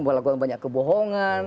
melakukan banyak kebohongan